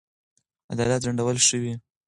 عدالت ځنډول شوی.